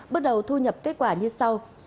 bước đầu thu nhập kết quả như sau